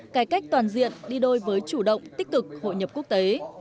cải cách toàn diện đi đôi với chủ động tích cực hội nhập quốc tế